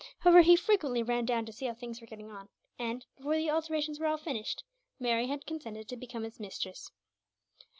However, he frequently ran down to see how things were getting on and, before the alterations were all finished, Mary had consented to become its mistress.